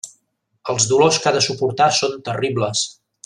Els dolors que ha de suportar són terribles.